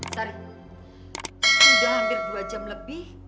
sudah hampir dua jam lebih